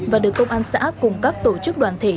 và được công an xã cung cấp tổ chức đoàn thể